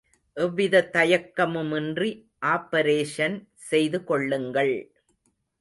எவ்விதத் தயக்கமுமின்றி ஆப்பரேஷன் செய்துகொள்ளுங்கள்.